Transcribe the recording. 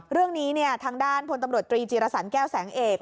เรื่องนี้ทางด้านพลตำรวจตรีจีรสันแก้วแสงเอก